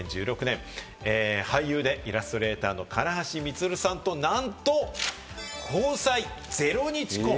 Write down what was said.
それが２０１６年、俳優でイラストレーターの唐橋充さんと、なんと交際０日婚。